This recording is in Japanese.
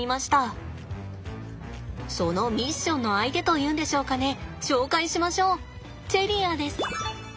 そのミッションの相手というんでしょうかね紹介しましょうチェリアです。